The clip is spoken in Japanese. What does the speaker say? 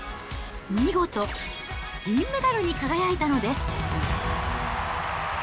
見事、銀メダルに輝いたのです。